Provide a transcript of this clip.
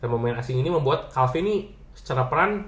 dan pemain asing ini membuat calvin nih secara peran lebih jelas lagi